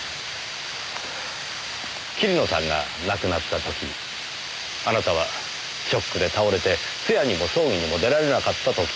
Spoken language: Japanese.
桐野さんが亡くなった時あなたはショックで倒れて通夜にも葬儀にも出られなかったと聞きました。